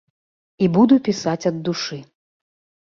І буду пісаць ад душы.